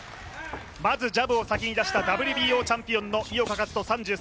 まずジャブを先に出したＷＢＯチャンピオンの井岡一翔。